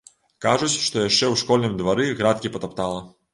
Кажуць, што яшчэ ў школьным двары градкі патаптала.